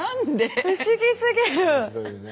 不思議すぎる！